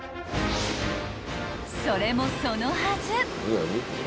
［それもそのはず］